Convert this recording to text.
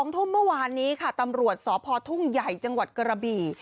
ทุ่มเมื่อวานนี้ค่ะตำรวจสพทุ่งใหญ่จังหวัดกระบี่